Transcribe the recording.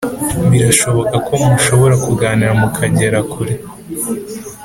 birashoboka ko mushobora kuganira mukagera kure